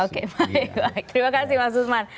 oke baik baik terima kasih mas usman